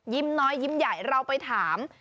น้อยยิ้มใหญ่เราไปถาม